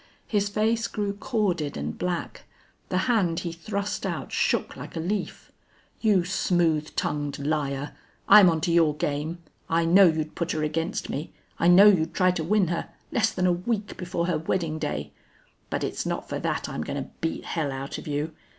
His face grew corded and black. The hand he thrust out shook like a leaf. "You smooth tongued liar! I'm on to your game. I know you'd put her against me. I know you'd try to win her less than a week before her wedding day.... But it's not for that I'm going to beat hell out of you!